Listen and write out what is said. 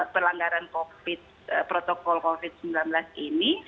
pelanggaran covid protokol covid sembilan belas ini